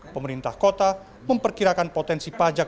pemerintah kota memperkirakan potensi pajak